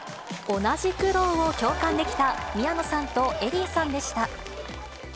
同じ苦労を共感できた宮野さんとエディさんでした。